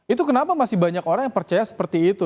itu kenapa masih banyak orang yang percaya seperti itu